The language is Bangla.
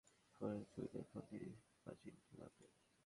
ফোনটি সম্পর্কে বলা হয়েছে, ফোরজি সুবিধার ফোনটির ডিসপ্লে পাঁচ ইঞ্চি মাপের।